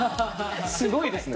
すごいですね。